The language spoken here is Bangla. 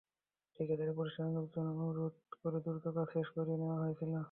ঠিকাদারি প্রতিষ্ঠানের লোকজনকে অনুরোধ করে দ্রুত কাজ শেষ করিয়ে নেওয়া হয়েছিল।